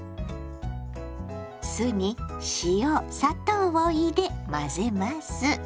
酢に塩砂糖を入れ混ぜます。